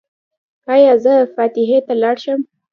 ایا زه فاتحې ته لاړ شم؟